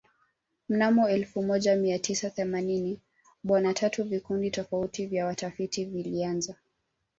Mnamo elfu moja Mia tisa themanini bona tatu vikundi tofauti vya watafiti vilianza